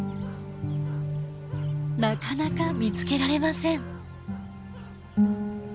なかなか見つけられません。